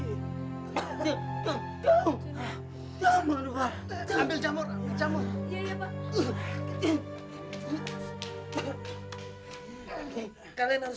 aku semua muntah